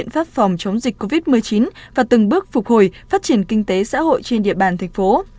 phòng chống dịch covid một mươi chín và từng bước phục hồi phát triển kinh tế xã hội trên địa bàn thành phố